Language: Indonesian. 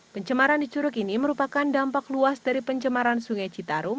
pencemaran di curug ini merupakan dampak luas dari pencemaran sungai citarum